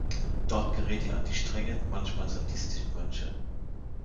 Dort gerät er an die strengen, manchmal sadistischen Mönche.